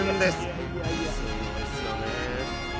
すごいですよね。